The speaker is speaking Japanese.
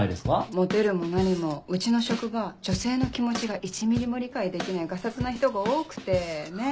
モテるも何もうちの職場女性の気持ちが１ミリも理解できないガサツな人が多くてねっ。